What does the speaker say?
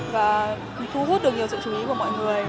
và thu hút được nhiều sự chú ý của mọi người